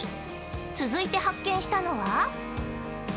続いて発見したのは。